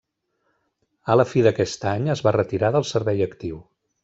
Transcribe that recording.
A la fi d'aquest any es va retirar del servei actiu.